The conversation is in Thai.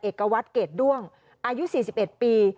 เอกวัตรเกรดด้วงอายุ๔๑ปี